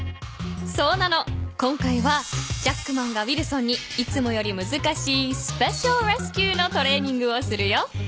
今回はジャックマンがウィルソンにいつもよりむずかしいスペシャルレスキューのトレーニングをするよ。